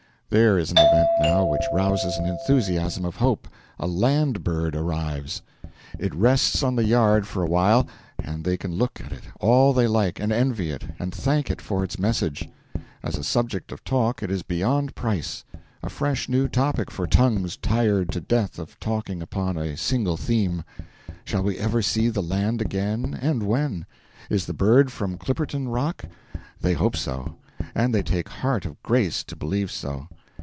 There is an event, now, which rouses an enthusiasm of hope: a land bird arrives! It rests on the yard for awhile, and they can look at it all they like, and envy it, and thank it for its message. As a subject of talk it is beyond price a fresh new topic for tongues tired to death of talking upon a single theme: Shall we ever see the land again; and when? Is the bird from Clipperton Rock? They hope so; and they take heart of grace to believe so.